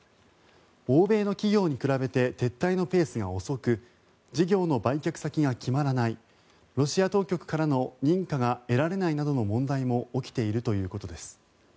欧米の企業に比べて撤退のペースが遅く事業の売却先が決まらないロシア当局からの認可が得られないなどの問題も起きているということです。